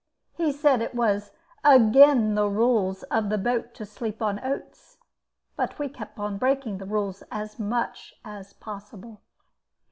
He said it was "agen the rules of the boat to sleep on oats"; but we kept on breaking the rules as much as possible.